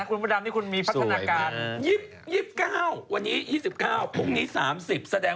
เหลืออีก๒วันเปลี่ยนแล้วติ๊ง